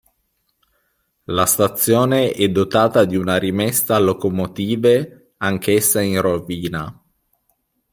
La stazione è dotata di una rimessa locomotive anch'essa in rovina.